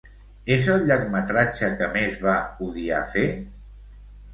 És el llargmetratge que més va odiar fer?